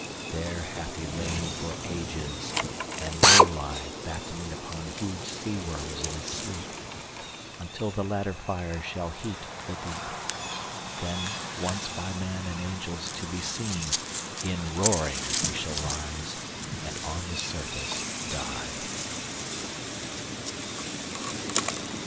There hath he lain for ages, and will lie Battening upon huge sea worms in his sleep, Until the latter fire shall heat the deep; Then once by man and angels to be seen, In roaring he shall rise and on the surface die.